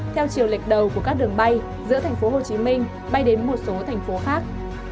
theo chiều lịch đầu của các đường bay giữa thành phố hồ chí minh bay đến một số thành phố khác